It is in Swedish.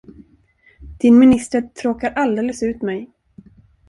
Din minister tråkar alldeles ut mig!